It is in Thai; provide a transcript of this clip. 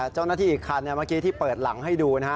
เจ้าหน้าที่อีกคันเมื่อกี้ที่เปิดหลังให้ดูนะฮะ